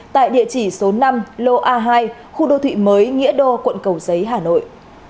tại địa chỉ số năm lô a hai khu đô thị mới nghĩa đô quận cầu giấy hà nội